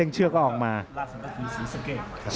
อัศวินาศาสตร์